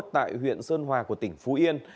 tại huyện sơn hòa của tỉnh phú yên